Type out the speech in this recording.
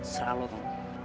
sera lo tunggu